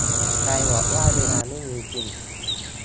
ใครบอกว่าเวลาไม่มีจริง